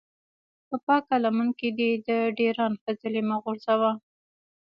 په پاکه لمن کې دې د ډېران خځلې مه غورځوه.